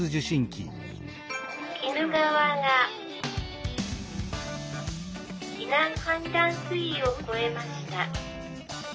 「鬼怒川が避難判断水位を超えました」。